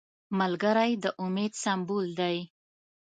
ملګری د امید سمبول دی